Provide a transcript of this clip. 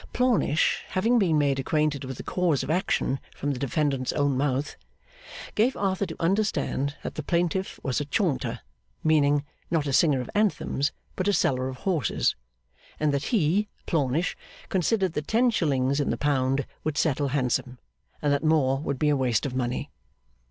Plornish, having been made acquainted with the cause of action from the Defendant's own mouth, gave Arthur to understand that the Plaintiff was a 'Chaunter' meaning, not a singer of anthems, but a seller of horses and that he (Plornish) considered that ten shillings in the pound 'would settle handsome,' and that more would be a waste of money.